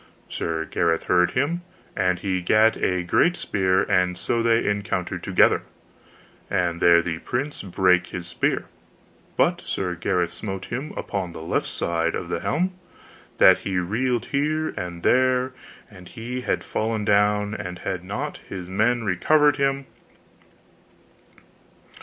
Sir Gareth heard him, and he gat a great spear, and so they encountered together, and there the prince brake his spear; but Sir Gareth smote him upon the left side of the helm, that he reeled here and there, and he had fallen down had not his men recovered him.